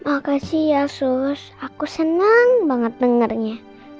makasih ya sus aku seneng banget dengernya